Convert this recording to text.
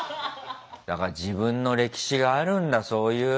だから自分の歴史があるんだそういう。